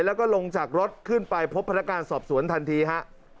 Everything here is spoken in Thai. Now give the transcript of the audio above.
แล้วก็ลงจากรถขึ้นไปพบพนักการสอบสวนทันทีฮะ